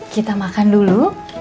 kita makan dulu